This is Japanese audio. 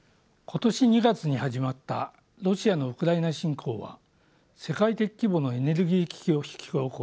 今年２月に始まったロシアのウクライナ侵攻は世界的規模のエネルギー危機を引き起こしました。